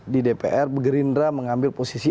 di dpr gerindra mengambil posisi